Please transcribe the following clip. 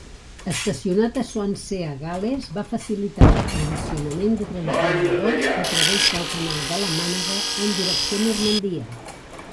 Estacionat a Swansea, Gal·les, va facilitar l'aprovisionament de transbordadors a través del Canal de la Mànega en direcció a Normandia.